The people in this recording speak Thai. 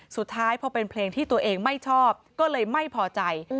สุดท้ายพอเป็นเพลงที่ตัวเองไม่ชอบก็เลยไม่พอใจ